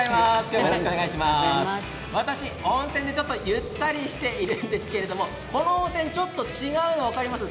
温泉でゆったりしているんですけれどこの温泉ちょっと違うのが分かりますか？